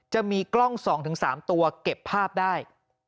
จะมีกล้อง๒๓ตัวเก็บภาพได้